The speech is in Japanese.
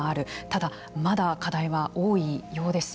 ただ、まだ課題は多いようです。